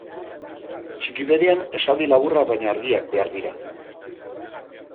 Txikipedian esaldi laburrak baina argiak behar dira.